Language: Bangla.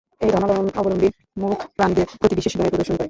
এই ধর্মাবলম্বীরা মূক প্রাণীদের প্রতি বিশেষ দয়া প্রদর্শন করে।